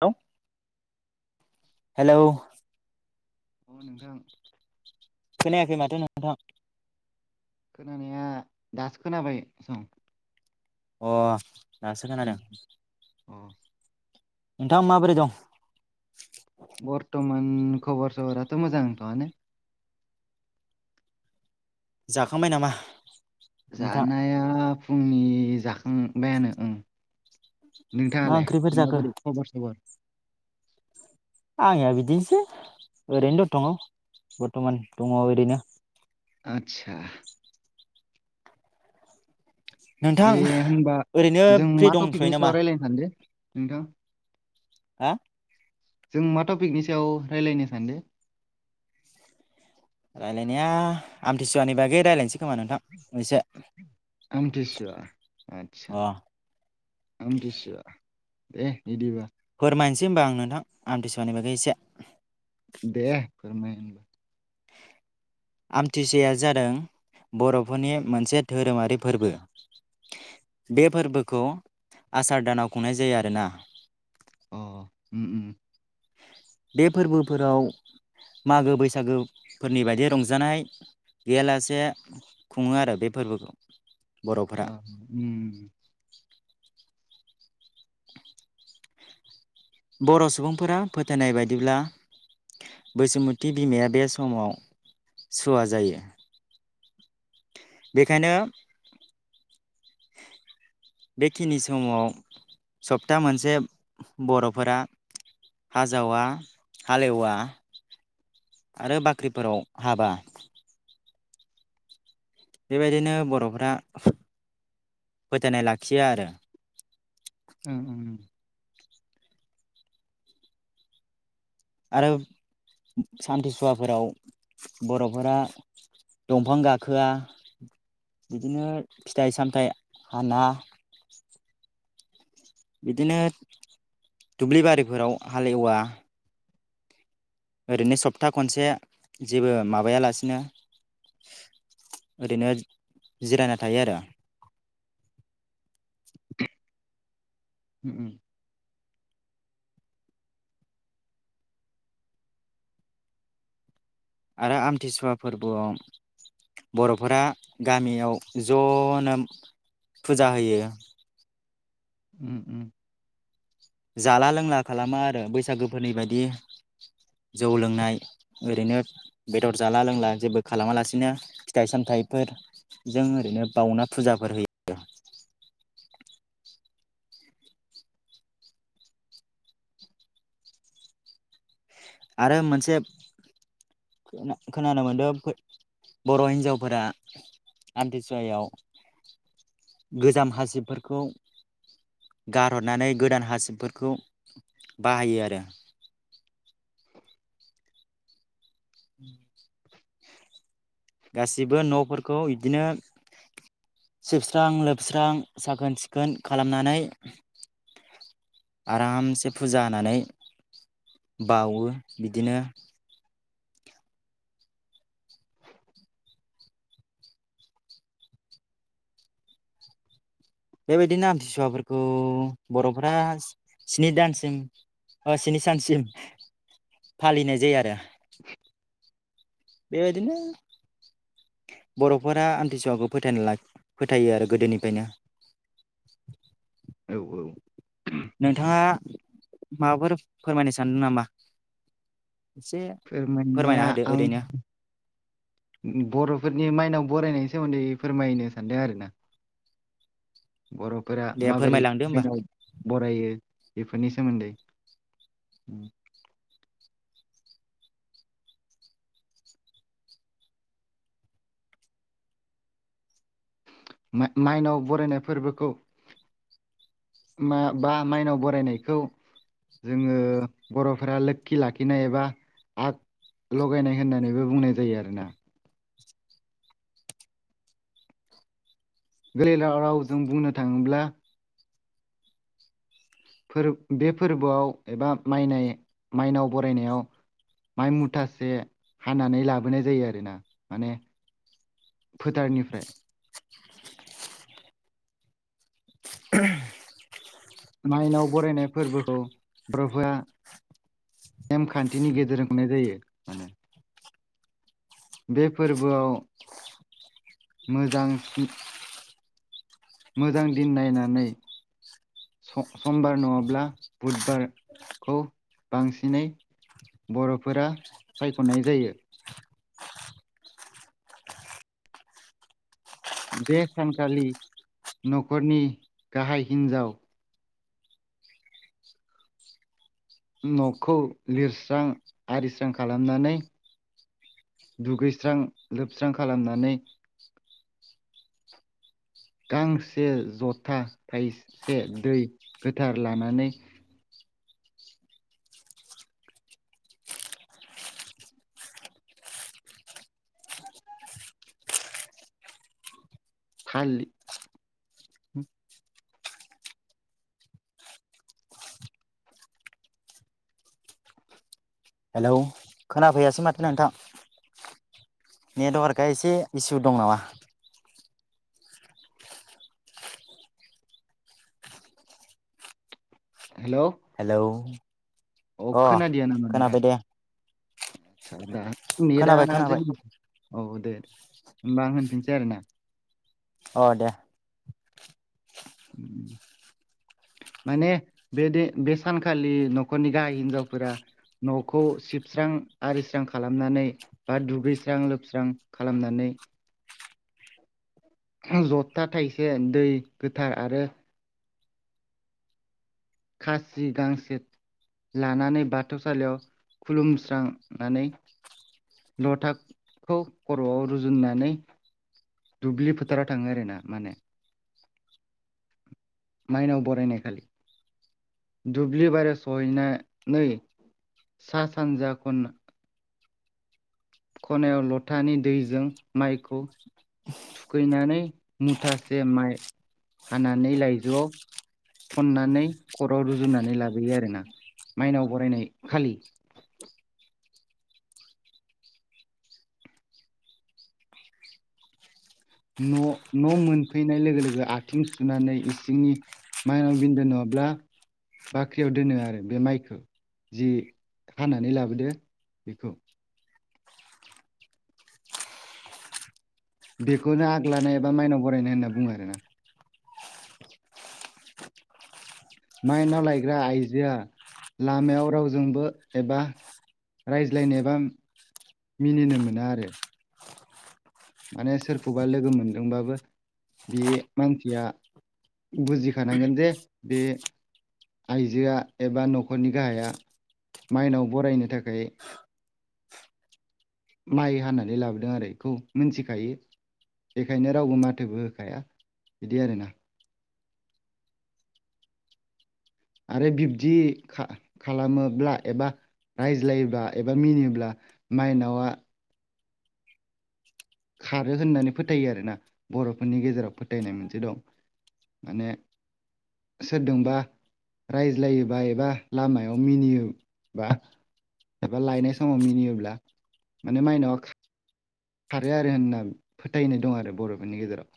[unintelligible] Hello औ नोंथां। खोनायाखै माथो नोंथां। खोनानाया दासो खोनाबाय सं। अ दासो खोनादों। उम अ नोंथाङा माबोरै दं? बर्टमान खबर सबराथ' मोजांथ'आनो। जाखांबाय नामा? नोंथां जानाया फुंनि जाखांबायानो ओं। मा नोंथाङालाय ओंख्रिफोर जाखो माबोरै खबर सबर? आंनिया बिदिनोसै ओरैनो दं थङ बर्थ'मान दङ ओरैनो। आतसा। नोंथां दे होनबा ओरैनो जों फ्रि मा दंथ'यो टपिकनि नामा सायाव रायज्लायनो सानदो नोंथां? हा? जों मा टपिकनि सायाव रायज्लायनो सानदो? रायलायनाया आमथिसुवानि बागै रायलायनोसै खोमा नोंथां एसे आमथिसुवा आतसा। अ आमथिसुवा दे बिदिबा। फोरमायनोसै होमबा आं नोंथां आमथिसुवानि बागै एसे। दे फोरमाय होमबा। आमथिसुवाया जादों बर'फोरनि मोनसे धोरोमारि फोरबो। बे फोरबोखौ आसार दानाव खुंनाय जायो आरोना। अ उम उम। बे फोरबोफोराव मागो बैसागो फोरनि बायदि रंजानाय गैयालासे खुङो आरो बे फोरबोखौ बर'फोरा। अ उम बर' सुबुंफोरा फोथायनाय बायदिब्ला। बैसुमति बिमाया बे समाव सुवा जायो। बेखायनो बेखिनि समाव सप्ता मोनसे बर'फोरा। हाजावा हालेवा आरो बाख्रिफोराव हाबा बेबायदिनो बर'फ्रा फो-फोथनाय लाखियो आरो। उम उम। आरो सान्थिसुवाफोराव बर'फोरा दंफां गाखोआ बिदिनो फिथाइ सामथायाइ हाना बिदिनो दुब्लि बारिफोराव हालेवा ओरैनो सप्ता खनसे जेबो माबायालासिनो ओरैनो जिरायना थायो आरो। उम उम। आरो आमथिसुवा फोरबोआव बर'फोरा गामियाव ज'नो फुजा होयो उम उम जाला लोंला खालामा आरो बैसागोफोरनि बायदि जौ लोंनाय ओरैनो बेदर जाला लोंला जेबो खालामालासिनो फिथाइ सामथाइफोर जों ओरैनो बउना फुजाफोर होयो दे आरो मोनसे खोनानो मोन्दों बर' हिन्जावफोरा आमथिसुवायाव गोजाम हासिबफोरखौ गारहरनानै गोदान हासिबफोरखौ बाहायो आरो उम [inaudible] [inaudible] गासिबो न'फोरखौ बिदिनो सिबस्रां लोबस्रां साखोन सिखोन खालामनानै आरामसे फुजा होनानै बावो बिदिनो बेबायदिनो आमथिसुवाफोरखौ बर'फोरा स्नि दानसिम स्नि सानसिम फालिनाय जायो आरो बेबायदिनो बर'फोरा आमथिसुवाखौ फोथाय फोथायो आरो गोदोनिफ्रायनो औ औ नोंथाङा माबाफोर फोरमायनो सानदों नामा एसे फोरमायना फोरमायनाया होदो आं ओरैनो बर'फोरनि माइनाव बरायनायनि सोमोन्दै फोरमायनो सानदों आरो ना बर'फोरा दे माबोरै फोरमायलांदो होमबा मनाव बरायो बेफोरनि सोमोन्दै माइनाव बरायनाय फोरबोखौ मा बा माइनाव बरायनायखौ जोङो बर'फोरा लोखि लाखिनाय एबा आग लगायनाय होननानैबो बुंनाय जायो आरोना गोलैलाव रावजों बुंनो थाङोब्ला फोर बे फोरबोआव एबा माइनाय माइनाव बरायनायाव माइ मुथासे हानानै लाबोनाय जायो आरोना माने फोथारनिफ्राय [unintelligible] माइनाव बरायनाय फोरबोखौ ब्रफुआ नेमखान्थिनि गेजेरजों होननाय जायो माने बे फोरबोआव मोजां स्नि मोजां दिन नायनानै स समबार नङाब्ला बुधबारखौ बांसिनै बर'फोरा सायख'नाय जायो बे सानखालि न'खरनि गाहाय हिन्जाव न'खौ लिरस्रां आरिस्रां खालामनानै दुगैस्रां लोबस्रां खालामनानै गांसे ज'था थाइसे दै गोथार लानानै खाललि हेलौ खोनाफैयासै माथो नोंथां नेटवार्कआ एसे इसु दं नामा हेलौ हेलौ, अ खोनादिया नामा नोंथां खोनाबाय दे। [unintelligible] खोनाबाय खोनाबाय औ दे होनबा आं होनफिनसै आरोना। अ दे उम, [unintelligible] माने बे दे बे सानखालि न'खरनि गाहाय हिनजावफोरा न'खौ सिबस्रां आरिस्रां खालामनानै बा दुगैस्रां लोबस्रां खालामनानै [unintelligible] जथा थाइसे दै गोथार आरो खासि गांसे लानानै बाथौसालियाव खुलुमस्रांनानै लथाखौ खर'आव रुजुननानै दुब्लि फोथाराव थाङो आरोना माने माइनाव बरायनाय खालि दुब्लि बारि सहैनानै सा सानजा खन खनायाव लथानि दैजों माइखौ थुखैनानै मुथासे माइ हानानै लायजोआव खननानै खर'आव रुजुनानै लाबोयो आरोना माइनाव बरायनाय खालि न' न' मोनफैनाय लोगो लोगो आथिं सुनानै इसिंनि माइनाव बिन्दो नङाब्ला बाख्रियाव दोनो आरो बे माइखो जि हानानै लाबोदो बेखौ बेखौनो आग्लानाय एबा माइनाव बरायनाय होनना बुङो आरोना। माइनाव लायग्रा आइजोआ लामायाव रावजोंबो एबा रायज्लायनोबाम मिनिनो मोना आरो। माने सोरखौबा लोगो मोनदोंबाबो बे मानसिया बुजिखानांगोन जे बे आइजोआ एबा न'खरनि गाहाया माइनाव बरायनो थाखाय माइ हानानै लाबोदों आरो इखौ मिनथिखायो। बेखायनो रावबो माथोबो होखाया बिदि आरो ना। आरो बिब्दि खा- खालामोब्ला एबा रायज्लायब्ला एबा मिनिब्ला माइनावा खारो होननानै फोथायो आरोना बर'फोरनि गेजेराव फोथायनाय मोनसे दं। माने सोरदोंबा रायज्लायोबा एबा लामायाव मिनियोबा एबा लायनाय समाव मिनियोब्ला माने माइनावा खा खारो आरो होनना फोथायनाय दं आरो बर'फोरनि गेजेराव।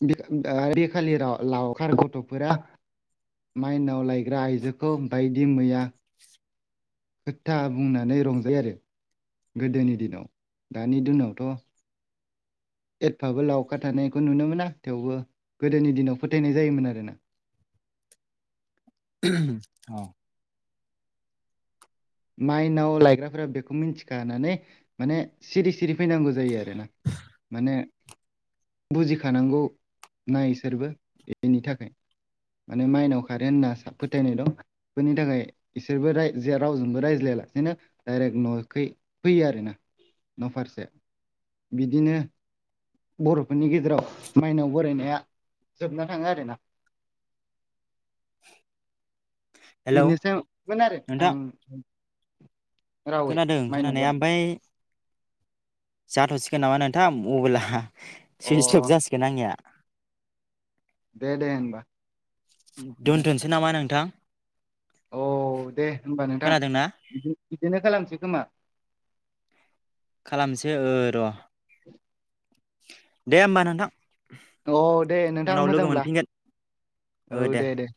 [unintelligible] लावखार गथ'फोरा माइनाव लायग्रा आइजोखौ बायदि मैया खोथा बुंनानै रंजायो आरो गोदोनि दिनाव दानि दोनावथ' एफाबो लावखार थानायखौ नुनो मोन आं थेवबो गोदोनि दिनाव फोथायनाय जायोमोन आरोना। औ माइन्दाव लायग्राफोरा बेखौ मिथिखानानै माने सिरि सिरि फैनांगौ जायो आरो ना। माने बुजिखानांगौ नाय इसोरबो बेनि थाखाय माने माइनाव खारो होनना फोथायनाय दं बेनि थाखाय इसोरबो ज रावजों जबो रायज्लायालासेनो दडायरेक्ट न' फैयो आरोोना न' फारसे बिदिनो बर'फोरनि गेजेराव माइनाव बरायनाया जोबना थाङो आरोना। हेलौ बेनोसैमोन आरो नोंथां आं रावै खोनादों माइनाव खोनानाया बरायनाय ओमफाय जाथ'सिगोन नामा नोंथां अबोेला अ सुइस लक जासिगोन आंनिया दे दे होनबा नोंथां दोन्थ'सै नामा नोंथां। औ दे होनोमबा नोंथां खोनादोंना बिदिनो खालामसै खोमा। खालामसै र' दे होमबा नोंथां। औ दे नोंथां उनाव लोगो मोजांब्ला मोनफिनगोन औ दे दे।